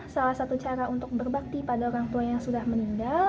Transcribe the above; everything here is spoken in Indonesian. salah satu cara untuk berbakti pada orang tua yang sudah meninggal